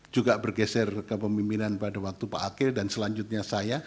juga bergeser ke pemimpinan pada waktu pak akil dan selanjutnya saya